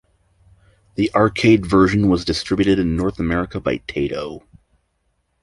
The arcade version was distributed in North America by Taito.